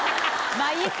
まぁいいか。